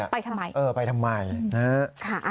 ไปทำไมเออไปทำไมนะฮะ